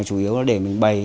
chủ yếu là để mình bày